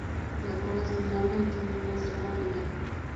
La cola es muy larga y tiene un extremo al final.